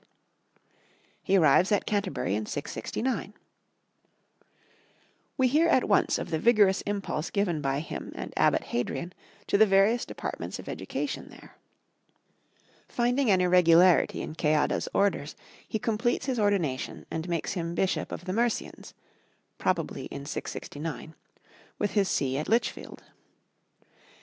He arrives at Canterbury in 669. We hear at once of the vigorous impulse given by him and Abbot Hadrian to the various departments of education there. Finding an irregularity in Ceadda's orders, he completes his ordination and makes him Bishop of the Mercians (probably in 669), with his see at Lichfield.